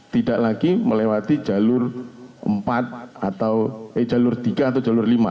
tidak lagi melewati jalur empat atau jalur tiga atau jalur lima